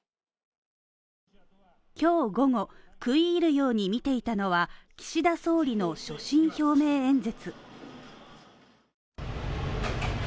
今日午後食い入るように見ていたのは岸田新総理の所信表明演説。